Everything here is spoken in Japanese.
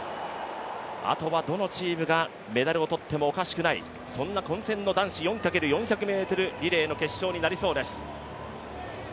あとはどのチームがメダルを取ってもおかしくないそんな混戦の男子４×４００ｍリレーの決勝になりそうです。